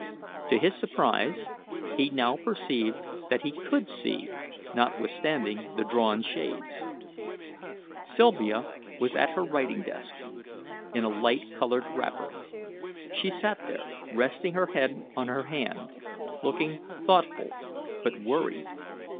To his surprise, he now perceived that he could see, notwithstanding the drawn shades. Sylvia was at her writing desk, in a light coloured wrapper. She sat there resting her head on her hand, looking thoughtful but worried.